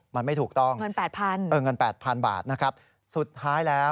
มันไม่ถูกต้องเงิน๘๐๐๐บาทนะครับสุดท้ายแล้ว